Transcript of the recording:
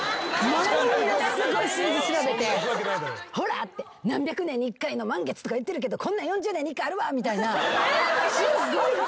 すごい数字調べてほら何百年に一回の満月とかいってるけどこんなん４０年に１回あるわみたいな。